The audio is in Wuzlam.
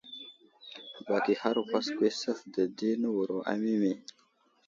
Bak ihar kwaskwa i suvde di newuro a Mimi.